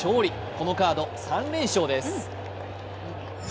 このカード３連勝です。